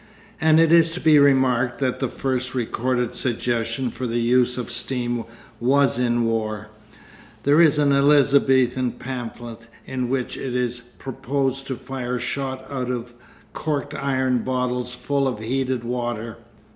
And it is to be remarked that the first recorded suggestion for the use of steam was in war; there is an Elizabethan pamphlet in which it is proposed to fire shot out of corked iron bottles full of heated water.